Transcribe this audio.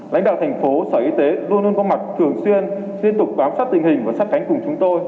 lãnh đạo thành phố sở y tế luôn luôn có mặt thường xuyên liên tục bám sát tình hình và sát cánh cùng chúng tôi